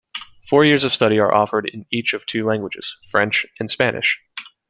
Four years of study are offered in each of two languages: French and Spanish.